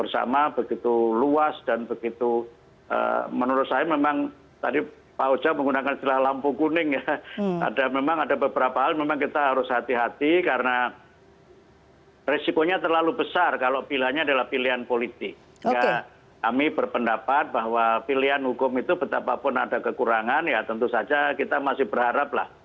selain itu presiden judicial review ke mahkamah konstitusi juga masih menjadi pilihan pp muhammadiyah